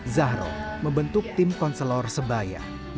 zahro membentuk tim konselor sebaya